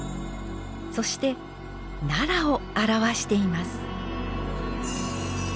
そして奈良を表しています。